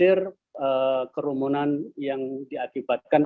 ini adalah perubahan yang diakibatkan